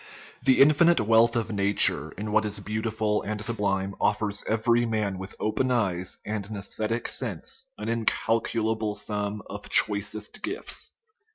The infinite wealth of nature in what is beautiful and sublime offers every man with open eyes and an aesthetic sense an incalculable sum of choicest gifts.